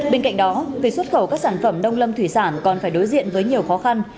bên cạnh đó việc xuất khẩu các sản phẩm nông lâm thủy sản còn phải đối diện với nhiều khó khăn